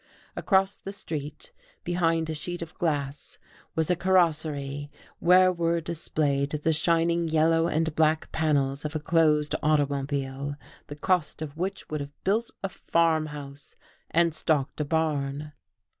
Across the street, behind a sheet of glass, was a carrosserie where were displayed the shining yellow and black panels of a closed automobile, the cost of which would have built a farm house and stocked a barn.